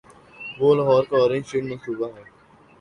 وہ لاہور کا orange train منصوبہ ہے۔